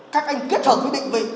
các anh kết hợp với định vị